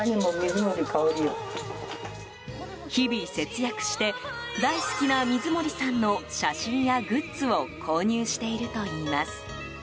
日々節約して、大好きな水森さんの写真やグッズを購入しているといいます。